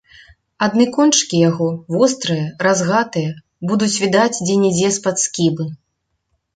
Адны кончыкі яго, вострыя, разгатыя, будуць відаць дзе-нідзе з-пад скібы.